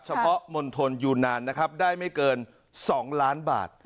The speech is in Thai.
เฉพาะมณฑลยูนานนะครับได้ไม่เกิน๒ล้านบาท